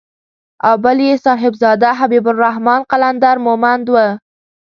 او بل يې صاحبزاده حبيب الرحمن قلندر مومند و.